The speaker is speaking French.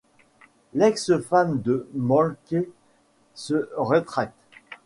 L’ex-femme de Moltke se rétracte.